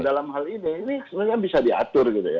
dalam hal ini ini sebenarnya bisa diatur gitu ya